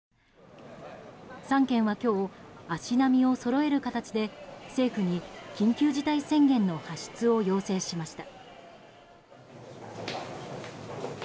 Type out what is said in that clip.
３県は今日足並みをそろえる形で政府に緊急事態宣言の発出を要請しました。